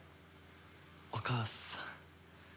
お母さん。